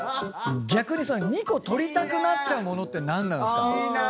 逆に２個取りたくなっちゃう物って何なんすか？